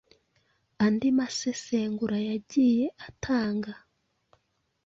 Andi masesengura yagiye atanga